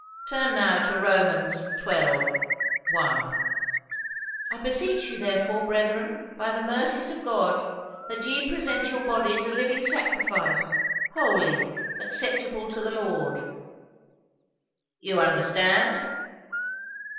"Turn now to Rom. xii. 1." "'I beseech you therefore, brethren, by the mercies of God, that ye present your bodies a living sacrifice, holy, acceptable to the Lord.'" "You understand?"